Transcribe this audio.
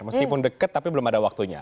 meskipun deket tapi belum ada waktunya